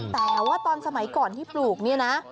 แต่ว่าตอนสมัยก่อนที่ปลูกเนี่ยนะ